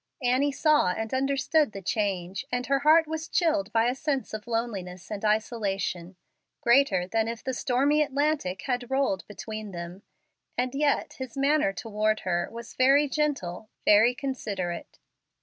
Annie saw and understood the change, and her heart was chilled by a sense of loneliness and isolation greater than if the stormy Atlantic had rolled between them. And yet his manner toward her was very gentle, very considerate.